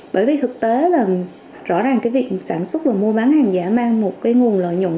bởi vì thực tế là rõ ràng cái việc sản xuất và mua bán hàng giả mang một cái nguồn lợi nhuận